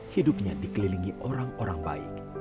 hidupnya dikelilingi orang orang baik